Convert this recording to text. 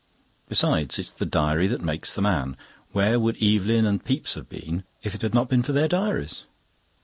Besides, it's the diary that makes the man. Where would Evelyn and Pepys have been if it had not been for their diaries?"